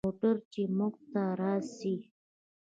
موټر چې موږ ته راسي.